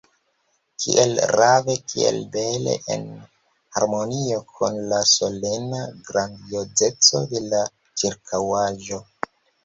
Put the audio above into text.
Kiel rave, kiel bele en harmonio kun la solena grandiozeco de la ĉirkaŭaĵo!